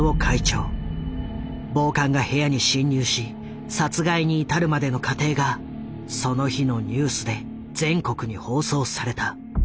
暴漢が部屋に侵入し殺害に至るまでの過程がその日のニュースで全国に放送された。